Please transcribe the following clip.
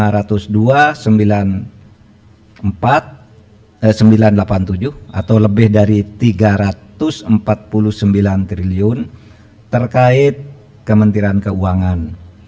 rp delapan ratus tujuh puluh empat satu ratus delapan puluh tujuh lima ratus dua sembilan ratus delapan puluh tujuh atau lebih dari rp tiga ratus empat puluh sembilan terkait kementerian keuangan